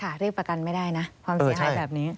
เรียกประกันไม่ได้นะความเสียหายแบบนี้